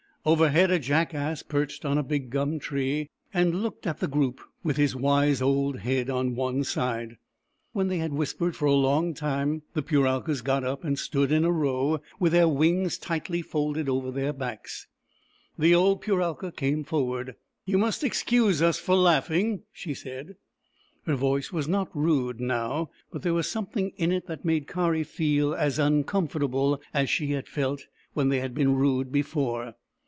Overhead a jackass perched on a big gum tree, and looked at the group, with his wise old head on one side. When they had whispered for a long time, the Puralkas got up and stood in a row, with their wings tightly folded over their backs. The old Puralka came forward. 74 THE EMU WHO WOULD DANCE " You must excuse us for laughing," she said. Her voice was not rude now, but there was some thing in it that made Kari feel as uncomfortable as she had felt when she had been rude before.